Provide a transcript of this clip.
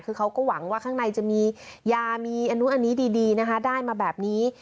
คือเขาก็หวังว่าข้างในจะมียามีอันนู้นอันนี้ดีนะคะได้มาแบบนี้